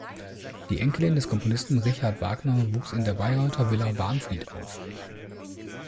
Die Enkelin des Komponisten Richard Wagner wuchs in der Bayreuther Villa Wahnfried auf.